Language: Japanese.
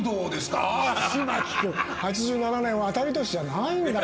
藤巻君８７年は当たり年じゃないんだから。